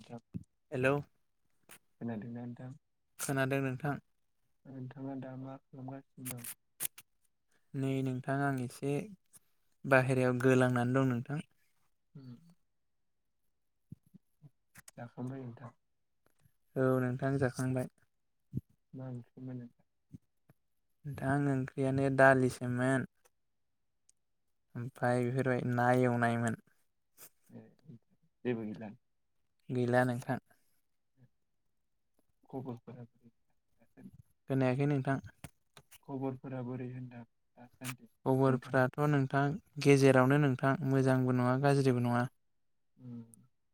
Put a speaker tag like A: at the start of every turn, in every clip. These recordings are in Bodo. A: नोंथां
B: हेल'
A: खोनादोंना नोंथां
B: खोनादों नोंथां
A: नोंथाङा दा मा खालामगासिनो दं?
B: नै नोंथां आं एसे बाहेरायाव गोलांनानै दं नोंथां।
A: [inaudible] जाखांबाय नोंथां?
B: औ नोंथां जाखांबाय।
A: [inaudible]
B: दां ओंख्रियानो दालिसोमोन। ओमफ्राय बेफोरबायदि ना एवनायमोन।
A: जेबो गैला।
B: गैला नोंथां।
A: [inaudible]
B: खोनायाखै नोंथां
A: खबरफोरा बोरै होनदों?
B: खबरफ्राथ' नोंथां गेजेरावनो नोंथां मोजांबो नङा गाज्रिबो नङा।
A: [inaudible]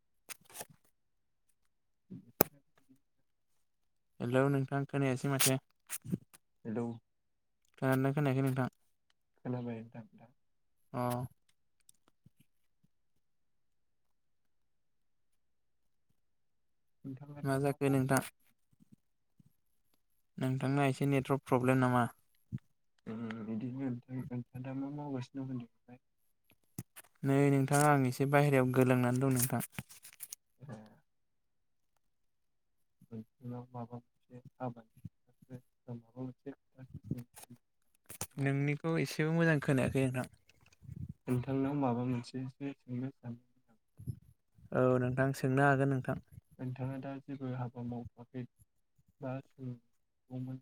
A: [inaudible]
B: हेल' नोंथां खोनायासै माथो।
A: [inaudible]
B: खोनादोंना खोनायाखै नोंथां?
A: खोनाबाय नोंथां
B: अ मा जाखो नोंथां
A: [inaudible]
B: नोंथांनााव एसे नेटवर्क प्रब्लेम नामा?
A: बिदिनो औ नोथां नोंथाङा दा मा मावगासिनो
B: नै नोंथाङा आं एसे बाहहेरायाव गोलांनानै दं नोंथां‌।
A: ओ नोंथांनाव माबा मोनसे आबाद माबा मोनसे खोथासो सोंनो
B: नोंनिखौ एसेबो मोजां खोनायाखै नोंथां
A: नोंथांनाव माबा मोनसेसो सोंनो सान
B: औ नोंथां सोंनो हागोन नोंथां।
A: नोंथाङा दा जेबो हाबा मावथ'खै? [unintelligible]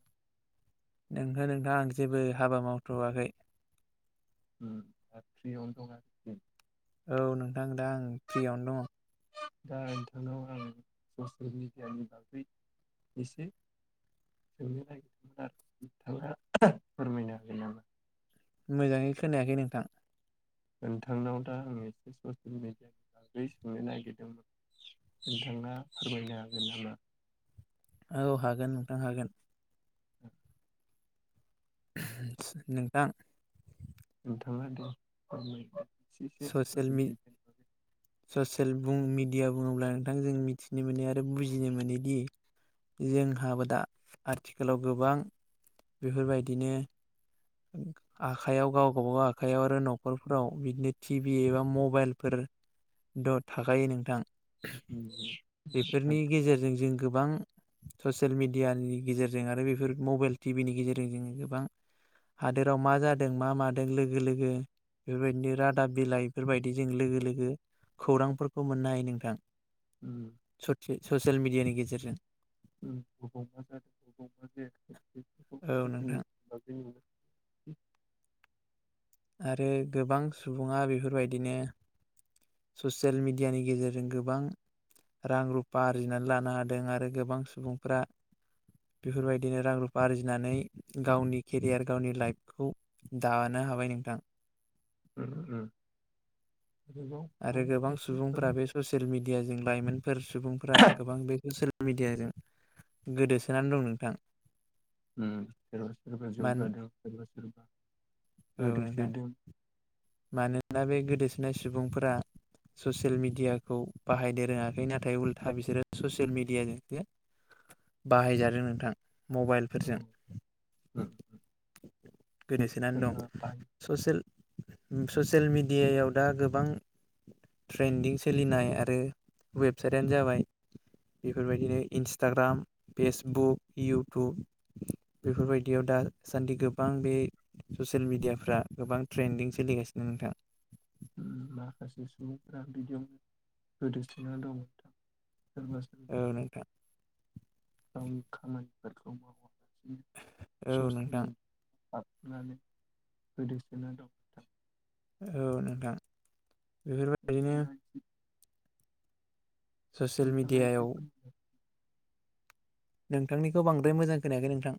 B: नोंगौ नोंथाङ आं जेबो हाबा मावथ'वाखै।
A: फ्रियावनो दं आरो
B: औ नोंथां दा आं फ्रियावनो दङ।
A: [unintelligible] [unintelligible]
B: मोजाङै खोनायाखै नोंथां
A: नोंथांनाव दा आं एसे ससियेल मिडियानि बागै सोंनो नागिरदोंमोन। नोंथाङा फोरमायनो हागोन नामा?
B: औ हागोन नोंथां हागोन। नोंथां
A: [unintelligible]
B: ससेल
A: ससियेल
B: मि
A: मिडियानि बागै
B: ससेल मिडिया बुङोब्ला नोंथां जों मिथिनो मोनो आरो बुजिनो मोनोदि जोंहाबो दा आथिखालाव गोबां बेफोरबायदिनो आखाइयाव गाव गावबागाव आखाइयाव आरो न'खरफोराव बिदिनो टिभि एबा मबाइलफोर द' थाखायो नोंथां बेफोरनि गेजेरजों जों गोबां ससियेल मिडियानि गेजेरजों आरो बेफोर मबाइल टिभिनि गेजेरजों जों गोबां हादोराव मा जादों मा मादों लोगो लोगो बेफोर बायदिनो रादाब बिलाइ बेफोर बायदि जों लोगो लोगो खौरांफोरखौ मोननो हायो नोंथां।
A: उम
B: ससियेल मिडियानि गेजेरजों।
A: [inaudible]
B: औ नोंथां
A: [inaudible]
B: आरो गोबां सुबुङा बेफोर बायदिनो। ससियेल मिडियानि गेजेरजों गोबां रां रुफा आरजिनानै लानो हादों आरो गोबां सुबुंफ्रा बेफोर बायदिनो रां रुफा आरजिनानै गावनि केरियार गावनि लाइफखौ दानाय दानो हाबाय नोंथां।
A: उम आरोबाव आं
B: आरो गोबां
A: एसे उम
B: सुबुंफ्रा बे ससियेल मिडियाजों लाइमोनफोर सुबुंफ्रा गोबां बे ससियेल मिडियाजों गोदोसोनानै दं नोंथां।
A: ओ सोरबा सोरबा
B: मान
A: जौगादों सोरबा सोरबा
B: औ नोंथां
A: गोदोसोदों।
B: मानोना बे गोदोसोनाय सुबुंफोरा ससियेल मिडियाखौ बाहायनो रोङाखै नाथाय उल्था बिसोरो ससियेल मिडियाजोंसो बाहाय जादों नोंथां
A: औ
B: मबाइलफोरजों।
A: उम
B: गोदोसोनानै
A: सोरबा
B: दं
A: बाय
B: ससियेल ससियेल मिडियाव दा गोबां ट्रेन्दिं सोलिनाय आरो वेबसाइटआनो जाबाय बेफोर बायदिनो इन्सटाग्राम, फेसबुक, इउटुब बेफोर बायदियाव। दासान्दि गोबां बे ससियेल मिडियाफ्रा गोबां ट्रेनदिं सोलिगासिनो नोंथां।
A: माखासे सुबुंफ्रा बिदियावनो गोदोसोनानै दं। सोरबा सोरबा
B: औ नोंथां
A: गावनि खामानिफोरखौ
B: औ नोंथां
A: मावासिनो। [unintelligible] नानै गोदोसोनना दं नोंथां।
B: औ नोंथां। बेफोरबायदिनो
A: [unintelligible]
B: ससियेल
A: नोंथाङा एसे
B: मिडियायाव।
A: फोरमाय
B: नोंथांनिखौ बांद्राय मोजां खोनायाखै नोंथां।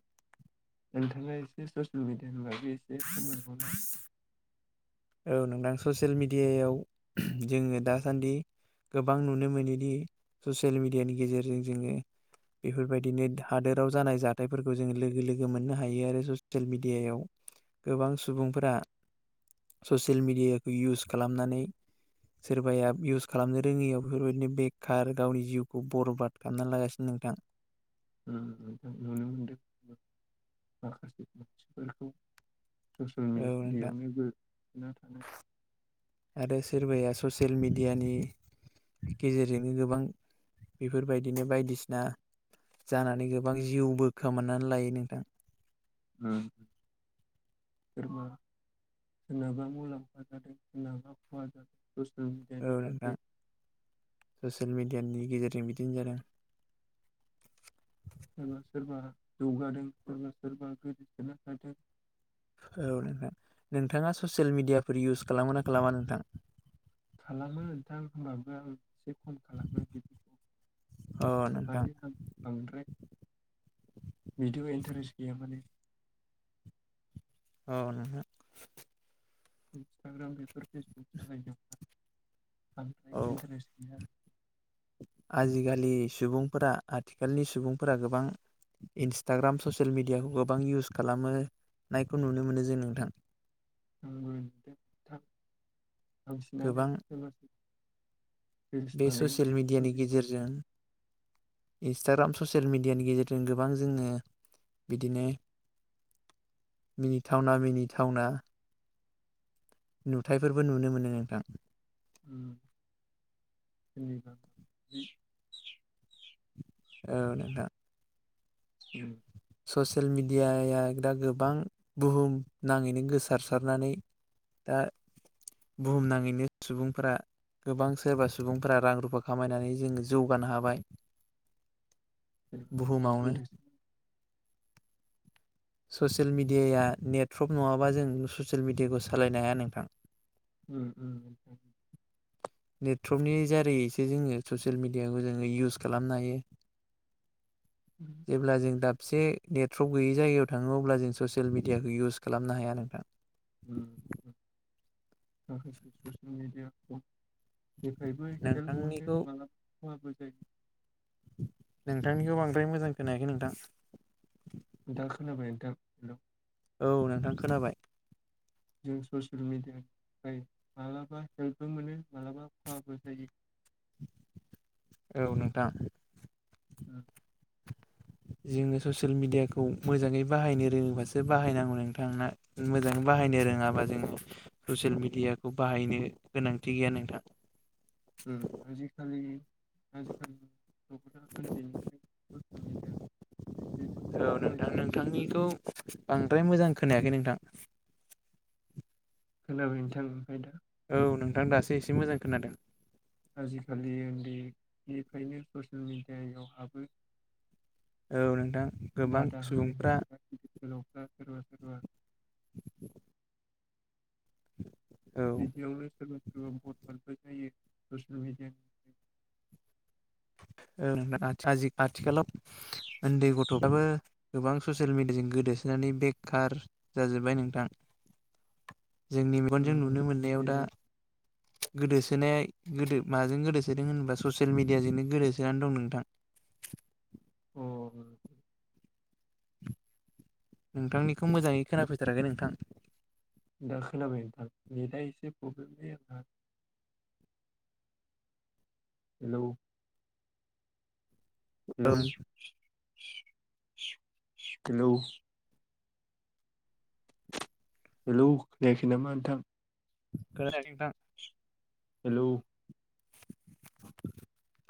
A: नोंथाङा एसे ससियेल मिडियानि बागै एसे फोरमायहरबावदो।
B: औ नोंथां ससियेल मिडियायाव जोङो दासान्दि गोबां नुनो मोनोदि ससियेल मिडियानि गेजेरजों जोङो। बेफोर बायदिनो हादोराव जानाय जाथायफोरखौ जोंङो लोगो लोगो मोननो हायो आरो ससियेल मिडियायाव गोबां सुबुंफोरा ससियेल मेडियाखौ इउस खालामनानै सोरबाया इउस खालामनो रोङियाव बेफोर बायदिनो बेखार गावनि जिउखौ बरबाद खालामना लागासिनो दङ। नोंथां।
A: नुनो मोनदों माखासे मानसिफोरखौ ससियेल
B: औ नोंथां
A: मिडियावनो गोदोना थानाय।
B: आरो सोरबाया ससियेल मिडियानि गेजेरजोंनो गोबां बेफोर बायदिनो बायदिसिना जानानै गोबां जिउबो खोमनानै लायो नोंथां।
A: उम। सोरबा सोरनाबा मुलाम्फा जादों सोरनाबा खहा जादों। ससियेल
B: औ
A: मिडियानि
B: नोंथां
A: बागै
B: ससियेल मिडियानि गेजेरजों बिदि फिदिं जादों।
A: सोरबा सोरबा जौगादों सोरबा सोरबा गोदोसोनो थादों।
B: औ नोंथां नोंथाङा ससियेल मिडियाफोर इउस खालामो ना खालामा नोंथां?
A: खालामो नोंथां। होमबाबो आं एसे खम खालामो बिदिखौ
B: अ नोंथां
A: माने आं बांद्राय बिदिबो इन्टारेस्ट गैया माने।
B: ओ नोंथां।
A: इन्सटाग्राम बेफोर फेसबुक सालायनोबो
B: औ
A: इन्टारेस्ट गैया।
B: आजिखालि सुबुंफोरा आथिखालनि सुबुंफोरा गोबां इन्सटाग्राम ससियेल मिडियाखौ गोबां इउस खालामो। नायखौ नुनो मोनो जों नोंथां।
A: आंबो‌ बांसिनानो
B: गोबां
A: सोर
B: बे ससियेल मिडियानि
A: गोदो
B: गेजेरजों इन्सटाग्राम ससियेल मिडियानि गेजेरजों गोबां जोङो बिदिनो मिनिथावना मिनिथावना नुथायफोरबो नुनो मोनो नोंथां
A: [unintelligible]
B: औ नोंथां।
A: ओम
B: ससियेल मिडियाया दा गोबां बुहुम नाङैनो गोसारसारनानै दा बुहुमनाङैनो सुबुंफोरा गोबां सोरबा सुबुंफोरा रां रुफा खामायनानै जोङो जौगानो हाबाय।
A: सोरबा
B: बहुम
A: सोरबा
B: मावनो।
A: गोदोसो
B: ससियेल मिडियाया नेटवर्प नङाबा जों ससियेल मिडियाखौ सालायनो हाया नोंथां।
A: ओम ओम नोंथां।
B: नेटवर्कनि जारैसो जोङो ससियेल मिडियाखौ जोङो इउस खालामनो हायो। जेब्ला जों दाब से नेटफ्र्रप गैयि जायगायाव थाङो अब्ला जों ससियेल मिडियाखौ इउस खालामनो हाया नोंथां।
A: ओम ओम [unintelligible] ससियेल मिडियाखौ जेफ्रायबो हेल्प मोनो
B: नोंथांनिखौ
A: मालाबा खहाबो जायो।
B: नोंथांनिखौ बांद्राय मोजां खोनायाखै नोंथां।
A: दा खोनाबाय नोंथां। हेल'
B: औ नोंथां खोनाबाय।
A: जों ससियेल मिडियाफ्राय मालाबा हेल्पबो मोनो मालाबा खहाबो जायो। [inaudible]
B: औ नोंथां।
A: उ।
B: जोङो ससियेल मिडियाखौ मोजाङै बाहायनो रोङोबासो बाहायनांगौ नोंथां ना मोजां बाहायनो
A: उम
B: रोङाबा जोङो ससियेल मिडियाखौ बाहायनो गोनांथि गैया नोंथां।
A: ओम आजिखालि आजिखालिनि न'ख'ना उन्दैनिफ्राय [unintelligible]
B: औ नोंथां नोंथांनिखौ बांद्राय मोजां खोनायाखै नोंथां।
A: खोनाबाय नोंथां ओमफाय दा
B: औ नोंथां दासो एसे मोजां खोनादों।
A: आजिखालि उन्दैनिफ्रायनो ससियेल मिडियायाव हाबो।
B: औ नोंथां गोबां
A: बादा हो
B: सुबुंफ्रा
A: [unintelligible] [unintelligible] [inaudible]
B: [inaudible]
A: बिदियावनो सोरबा सोरबा भटान जायो ससियेल मिडियानि
B: ओ आजि आथिखालाव उन्दै गथ'फ्राबो गोबां ससियेल मिडियाजों गोदो सोनै बेखारार जाजोब्बाय नोंथां।
A: [inaudible]
B: जोंनि मेगनजों नुनो मोननायाव दा
A: जेरै
B: गोदो सोनाय गोदो माजों गोदो सोदों होनबा ससियेल मिडियाजोंनो गोदोसोनानै दं नोंथां।
A: [inaudible]
B: नोंथांनिखौ मोजाङै खोनाफैथाराखै नोंथां।
A: दा खोनाबाय नोंथां नेदा एसे problem [unintelligible] hello hello
B: [inaudible]
A: [inaudible] hello hello खोनायाखै नामा नोंथां?
B: खोनायाखै नोंथां।
A: हेलौ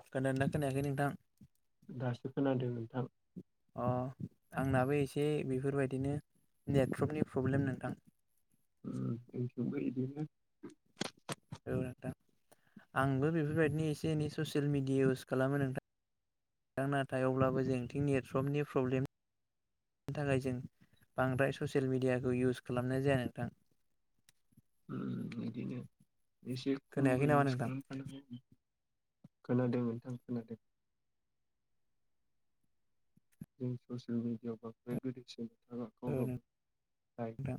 B: खोनादों ना खोनायाखै नोंथां।
A: दासो खोनादों नोंथां।
B: अ आंनाबो एसे बेफोरबायदिनो नेटफ्रोमनि प्रब्लेम नोंथां।
A: जोंनिथिंबो इदिनो
B: औ नोंथां आंबो बेफोरबायदिनो एसे एनै ससियेल मिडिया इउस खालामो नोंथां आं नाथाय अब्लाबो जेंटिं नेटफ्रोमनि प्रब्लेम बेनि थाखाय जों बांद्राय ससियेल मिडियाखौ इउस खालामनाय जाया नोंथां।
A: उम बिदिनो एसे खमबो
B: खोनायाखै नामा
A: इउस
B: नोंथां
A: खालाम खानांगौ। खोनादों नोंथां खोनादों। जों ससियेल मिडियाआव बांद्राय गोदोसो [unintelligible]
B: औ नोंथां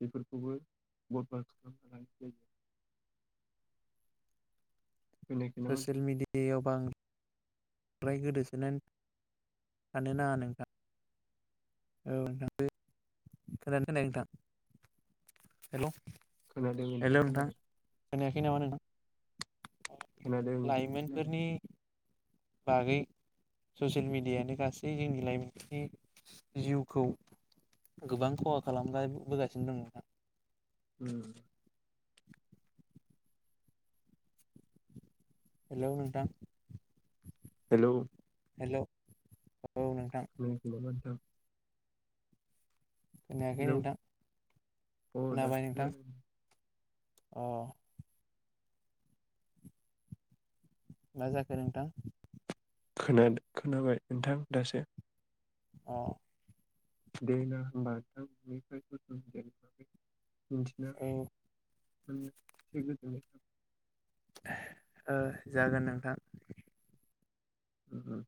A: बेफोरखौबो [unintelligible] खोनायाखै नामा
B: ससियेल
A: नोंथां
B: मिडियायाव बां फ्राय गोदोसोनानै थानो नाङा नोंथां। औ नोंथां खोनादोंना खोनायाखै नोंथां हेलौ
A: खोनादों नोंथां खोनादों।
B: खोनायाखै नामा नोंथां
A: खोनादों नोंथां
B: लाइमोनफोरनि बागै ससियेल मिडियानो गासै जोंनि लाइमोननि जिउखौ गोबां खहा खालाम गा बोगासिनो दं नोंथां।
A: उम
B: हेलौ नोंथां।
A: हेलौ।
B: हेलौ। औ नोंथां
A: औ [unintelligible] नोंथां।
B: खोनायाखै
A: हेलौ
B: नोंथां
A: अ
B: खोनाबाय
A: दासो
B: नोंथां।
A: खोनादों
B: अ मा जाखो नोंथां?
A: खोनादों खोनाबाय नोंथां दासो
B: अ
A: दे ना होमबा नोंथां [unintelligible] मिथिना
B: औ
A: उम बेबादिनो।
B: ओ जागोन नोंथां।
A: उम